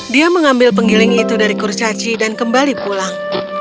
dia mengambil penggiling itu dari kurcaci dan kembali pulang